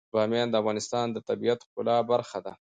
بامیان د افغانستان د طبیعت د ښکلا برخه ده.